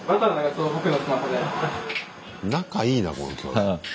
仲いいなこの兄弟。